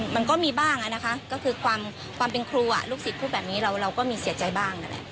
มันก็มีบ้างนะคะก็คือความเป็นครูลูกศิษย์พูดแบบนี้เราก็มีเสียใจบ้างนั่นแหละ